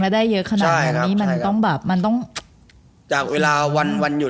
แล้วได้เยอะขนาดนี้มันต้องแบบมันต้องจากเวลาวันค่ะ